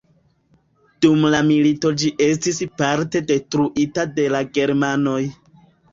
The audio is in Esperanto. Dum la milito ĝi estis parte detruita de la germanoj.